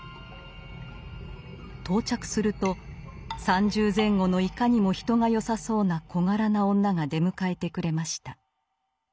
到着すると三十前後のいかにも人が好さそうな小柄な女が出迎えてくれました。